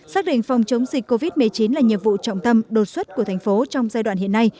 xác định phòng chống dịch covid một mươi chín là nhiệm vụ trọng tâm đột xuất của thành phố trong giai đoạn hiện nay